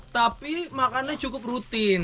tapi makanannya cukup rutin